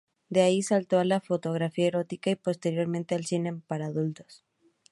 De ahí saltó a la fotografía erótica y posteriormente al cine para adultos.